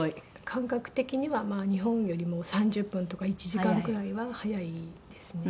感覚的には日本よりも３０分とか１時間くらいは早いですね。